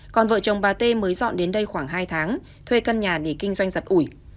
còn vợ chồng bà tê mới dọn đến đây khoảng hai tháng thuê căn nhà để kinh doanh giật ủi